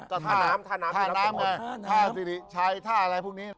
ก็ท่าน้ำท่าน้ำไงใช้ท่าอะไรพวกนี้